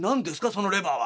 そのレバーは」。